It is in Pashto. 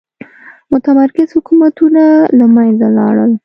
متمرکز حکومتونه له منځه لاړل.